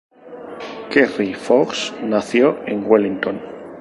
Kerry Fox nació en Wellington.